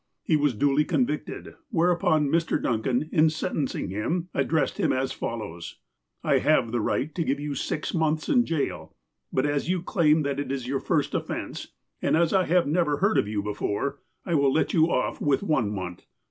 He was duly convicted, whereupon Mr. Duncan, in sentencing him, addressed him as follows :" I have the right to give you six months in jail, but, as you claim that it is your first offence, and as I have never heard of you before, I will let you off with one month.